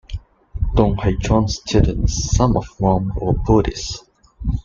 Dong Haichuan's students, some of whom were Buddhist.